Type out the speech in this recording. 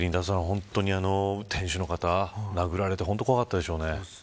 本当に、店主の方殴られて本当に怖かったでしょうね。